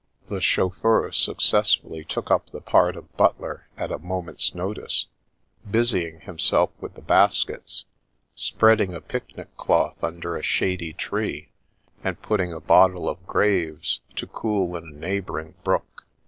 The chauffeur success fully took up the part of butler at a moment's notice, busying himself with the baskets, spreading a picnic cloth under a shady tree, and putting a bottle of Graves to cool in a neighbouring brook.